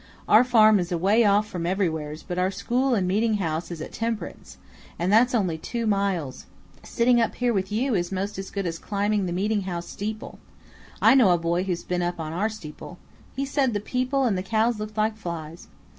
Our farm is away off from everywheres, but our school and meeting house is at Temperance, and that's only two miles. Sitting up here with you is most as good as climbing the meeting house steeple. I know a boy who's been up on our steeple. He said the people and cows looked like flies.